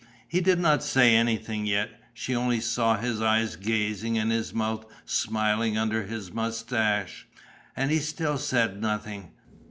He did not say anything yet. She only saw his eyes gazing and his mouth smiling under his moustache. And he still said nothing.